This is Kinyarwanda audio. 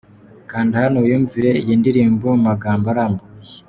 Kanda hano wiyumvire iyi ndirimbo mu magambo arambuye :.